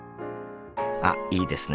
あっいいですね。